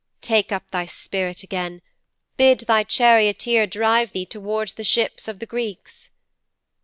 Take up thy spirit again. Bid thy charioteer drive thee towards the ships of the Greeks."'